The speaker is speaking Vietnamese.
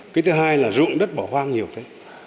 cái thứ hai là rụng đất bỏ hoang nhiều thế